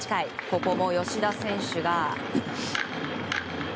ここも吉田選手が。